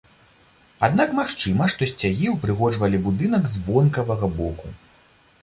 Аднак магчыма, што сцягі ўпрыгожвалі будынак з вонкавага боку.